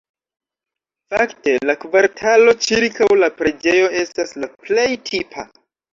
Fakte la kvartalo ĉirkaŭ la preĝejo estas la plej tipa.